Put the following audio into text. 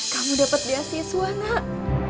kamu dapet beasiswa nak